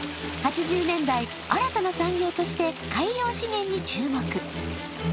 ８０年代、新たな産業として海洋資源に注目。